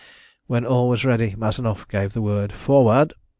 When all was ready Mazanoff gave the word: "Forward!"